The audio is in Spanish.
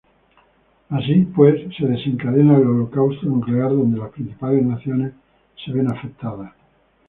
Así, pues, se desencadena el holocausto nuclear, donde las principales naciones se ven afectadas.